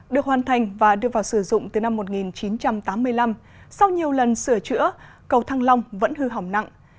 được hoàn thành và đưa vào sử dụng từ năm một nghìn chín trăm tám mươi năm sau nhiều lần sửa chữa cầu thăng long vẫn hư hỏng nặng